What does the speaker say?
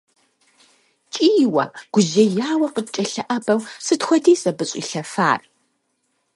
КӀийуэ, гужьеяуэ къыткӀэлъыӀэбэу сыт хуэдиз абы щӀилъэфар!